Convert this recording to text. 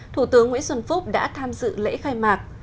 thủ tướng nguyễn xuân phúc đã tham dự lễ khai mạc